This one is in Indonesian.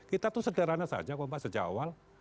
kita tuh sederhana saja pak sejawal